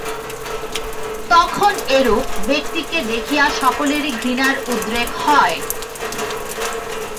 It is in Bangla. তখন এরূপ ব্যক্তিকে দেখিয়া সকলেরই ঘৃণার উদ্রেক হয়।